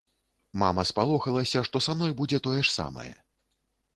Мама спалохалася, што са мной будзе тое ж самае.